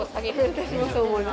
私もそう思います。